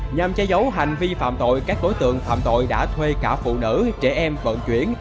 nhằm che giấu hành vi phạm tội các đối tượng phạm tội đã thuê cả phụ nữ trẻ em vận chuyển